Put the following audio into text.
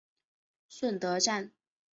顺德站